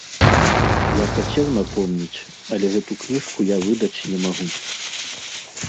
Я хацеў напомніць, але гэту кніжку я выдаць не магу.